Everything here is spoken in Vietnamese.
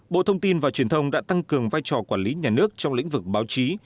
bộ thông tin và truyền thông đã tăng cường vai trò quản lý nhà nước trong lĩnh vực báo chí